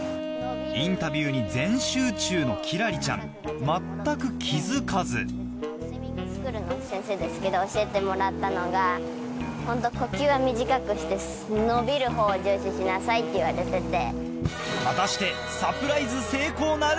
インタビューに全集中の輝星ちゃん全く気付かずスイミングスクールの先生ですけど教えてもらったのが呼吸は短くして伸びるほうを重視しなさいって言われてて。